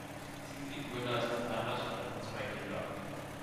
Sigrid Müller ist verheiratet und hat zwei Kinder.